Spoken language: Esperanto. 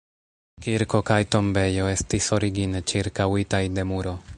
Kirko kaj tombejo estis origine ĉirkaŭitaj de muro.